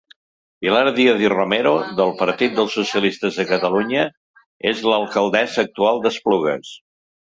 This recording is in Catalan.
Pilar Díaz i Romero, del Partit dels Socialistes de Catalunya, és l'alcaldessa actual d'Esplugues.